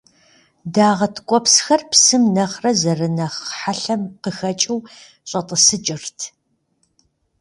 Дагъэ ткӏуэпсхэр псым нэхърэ зэрынэхъ хьэлъэм къыхэкӏыу щӏэтӏысыкӏырт.